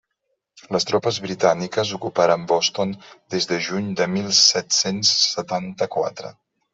Les tropes britàniques ocuparen Boston des de juny de mil set-cents setanta-quatre.